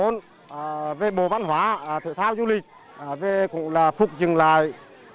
năm hai nghìn một mươi bốn về bộ văn hóa thể thao du lịch về cũng là phục trừng lại